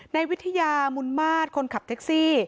ในวิทยามุนมาตรคนขับแท็กซี่